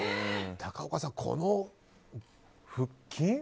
高岡さん、この腹筋。